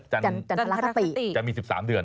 จันทรกติจะมี๑๓เดือน